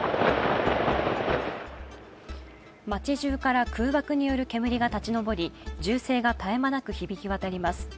町じゅうから空爆による煙が立ち上り、銃声が絶え間なく響き渡ります。